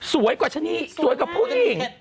กว่าฉันนี่สวยกว่าผู้หญิง